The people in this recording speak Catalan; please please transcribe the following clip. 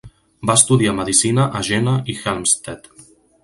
Va estudiar medicina a Jena y Helmstedt.